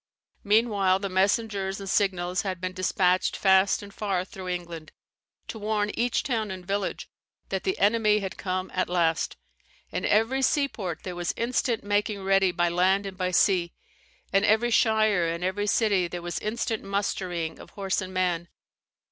Meanwhile the messengers and signals had been despatched fast and far through England, to warn each town and village that the enemy had come at last. In every seaport there was instant making ready by land and by sea; in every shire and every city there was instant mustering of horse and man.